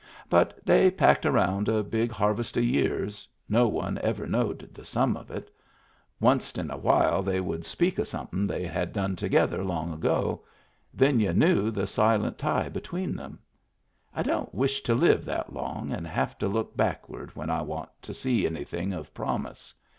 But they packed around a big harvest of years — no one ever knowed the sum of it. Wunst in a while they would speak of something they had done together long ago. Then y'u knew the silent tie between 'em. I don't wish to live that long and have to look backward when I want to see anything of promise.